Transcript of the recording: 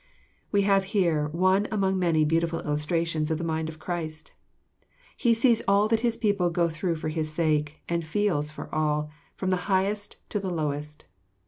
We have here one among many beautiful illustrations of the mind of Christ. He sees all that His people go through for His sake, and feels for all, from the highest to the lowest.